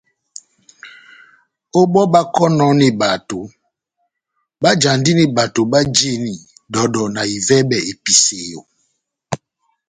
Ó bɔ́ báhákɔnɔni bato, báhájandini bato bajini dɔdɔ na ivɛbɛ episeyo.